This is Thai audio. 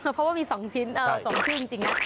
เพราะว่ามีสองชิ้นสองชื่นจริง